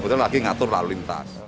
jadi kebetulan lagi ngatur lalu lintas